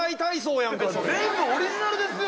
全部オリジナルですよ。